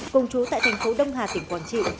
cùng chú tại thành phố đông hà tỉnh quảng trị